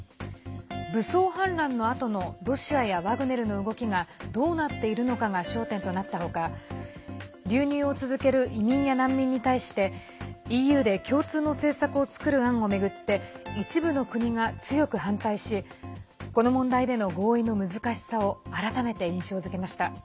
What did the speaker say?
武装反乱のあとのロシアやワグネルの動きがどうなっているのかが焦点となった他流入を続ける移民や難民に対してＥＵで共通の政策を作る案を巡って一部の国が強く反対しこの問題での合意の難しさを改めて印象づけました。